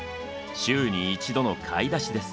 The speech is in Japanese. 「週に一度の買い出し」です。